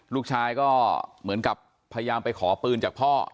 ลูกชายก็เหมือนกับพยายามไปขอปืนจากพ่อ